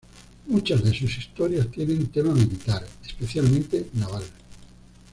Muchas de sus historias tienen tema militar, especialmente naval.